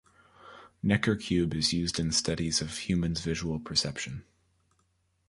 Necker cube is used in studies of human's visual perception.